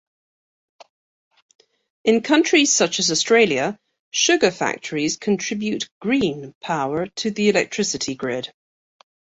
In countries such as Australia, sugar factories contribute "green" power to the electricity grid.